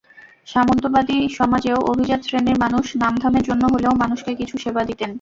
সামন্তবাদী সমাজেও অভিজাত শ্রেণির মানুষ নামধামের জন্য হলেও মানুষকে কিছু সেবা দিতেন।